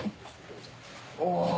お！